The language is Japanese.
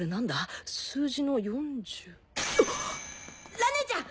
蘭姉ちゃん！